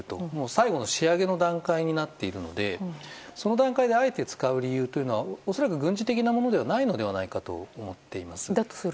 最後の仕上げの段階になっているのでその段階であえて使う理由は恐らく軍事的なものではないのではないかと思っています。